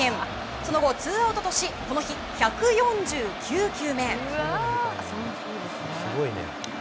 その後、ツーアウトとしこの日１４９球目。